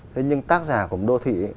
thế nhưng tác giả của một đô thị